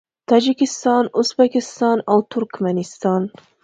تاجکستان، ازبکستان او ترکمنستان